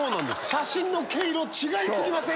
写真の毛色違い過ぎません